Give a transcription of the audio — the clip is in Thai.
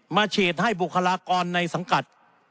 ฉีดให้บุคลากรในสังกัด